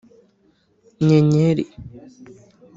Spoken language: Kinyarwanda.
Nyenyeri